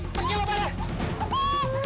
tujuan mereka yuk kita masuk yuk